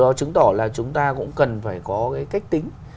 đó chứng tỏ là chúng ta cũng cần phải có cái cách tính